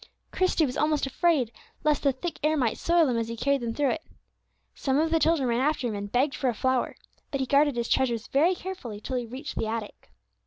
Christie was almost afraid lest the thick air might soil them as he carried them through it. Some of the children ran after him and begged for a flower, but he guarded his treasures very carefully till he reached the attic.